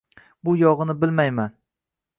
U yog‘ini bilmayman